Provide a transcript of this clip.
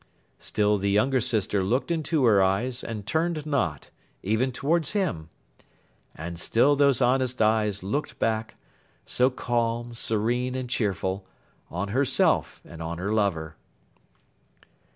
Still the younger sister looked into her eyes, and turned not—even towards him. And still those honest eyes looked back, so calm, serene, and cheerful, on herself and on her lover.